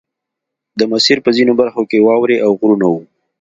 د مسیر په ځینو برخو کې واورې او غرونه وو